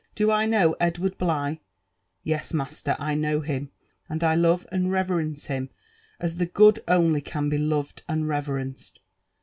— do I know Edward BlighT — ^Yes, master I I know him, and I love and reverence him as the good only can be loved and reverenced.